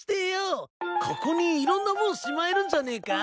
ここにいろんなもんしまえるんじゃねえか？